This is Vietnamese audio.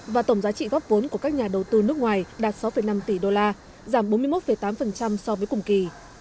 và tổng giá trị góp vốn của các nhà đầu tư nước ngoài đạt sáu năm tỷ đô la giảm bốn mươi một tám so với cùng kỳ